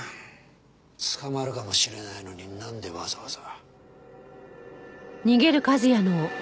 捕まるかもしれないのになんでわざわざ。